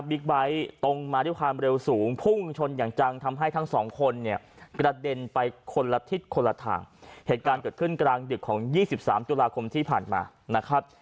ตรงมาด้วยความเร็วสูงพุ่งชนอย่างจังทำให้ทั้งสองคนเนี่ยกระเด็นไปคนละทิศคนละทางเหตุการณ์เกิดขึ้นกลางดึกของ๒๓ตุลาคมที่ผ่านมานะครับ